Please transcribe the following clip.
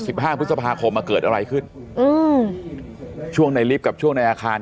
ห้าพฤษภาคมอ่ะเกิดอะไรขึ้นอืมช่วงในลิฟต์กับช่วงในอาคาร